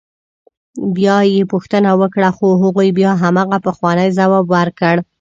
بیا یې پوښتنه وکړه خو هغوی بیا همغه پخوانی ځواب ورکړ.